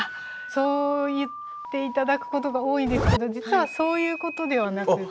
そう言って頂くことが多いんですけど実はそういうことではなくって。